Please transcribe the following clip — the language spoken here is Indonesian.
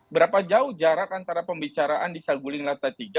berapa jauh jarak antara pembicaraan di saguling lata iii